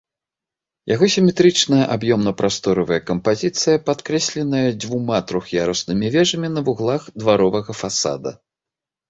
Яго сіметрычная аб'ёмна-прасторавая кампазіцыя падкрэсленая дзвюма трох'яруснымі вежамі на вуглах дваровага фасада.